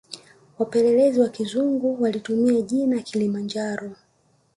Wapelelezi Wa kizungu walitumia jina kilimanjaro